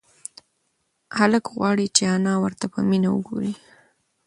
هلک غواړي چې انا ورته په مینه وگوري.